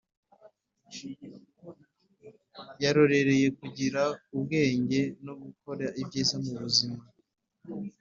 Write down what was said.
Yarorereye kugira ubwenge no gukor ibyiza mu buzima